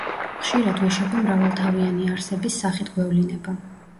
ხშირად ვეშაპი მრავალთავიანი არსების სახით გვევლინება.